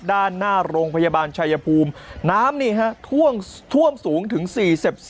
ด้านหน้าโรงพยาบาลชายภูมิน้ำนี่ฮะท่วมท่วมสูงถึง๔๐